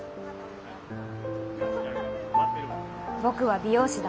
「僕は美容師だ。